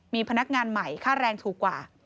มีพนักงานใหม่ค่าแรงถูกกว่า